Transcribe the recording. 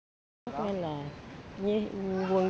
cảm ơn quân dân trên đảo được bình an và nhiều sức khỏe